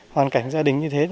hoàn cảnh gia đình như thế